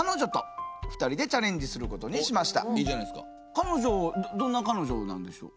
彼女どんな彼女なんでしょう？